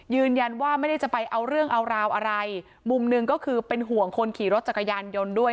ยืนยันว่าไม่ได้จะไปเอาเรื่องเอาราวอะไรมุมหนึ่งก็คือเป็นห่วงคนขี่รถจักรยานยนต์ด้วย